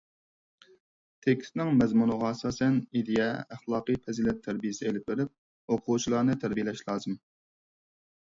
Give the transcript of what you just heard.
تېكىستنىڭ مەزمۇنىغا ئاساسەن ئىدىيە، ئەخلاقىي پەزىلەت تەربىيىسى ئېلىپ بېرىپ، ئوقۇغۇچىلارنى تەربىيىلەش لازىم.